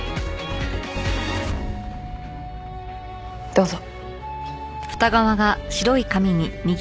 どうぞ。